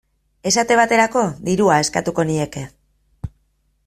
Esate baterako, dirua eskatuko nieke.